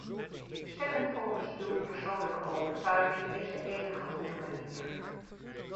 Stemmen volgens uw persoonlijke overtuiging is de enige goede manier.